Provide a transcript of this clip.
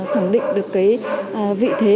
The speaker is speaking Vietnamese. khẳng định được cái vị thế